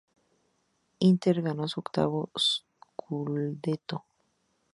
Inter ganó su octavo "scudetto".